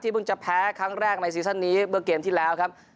เพิ่งจะแพ้ครั้งแรกในซีซั่นนี้เมื่อเกมที่แล้วครับ